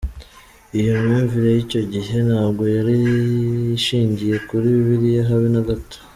Iyo myumvire y’icyo gihe ntabwo yari ishingiye kuri Bibiliya habe na gato.